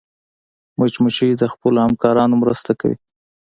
مچمچۍ د خپلو همکارانو مرسته کوي